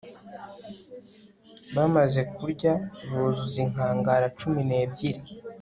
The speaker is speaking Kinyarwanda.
bamaze kurya buzuza inkangara cumi nebyiri